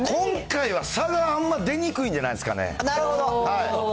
今回は差があんま出にくいんじゃないんですかね。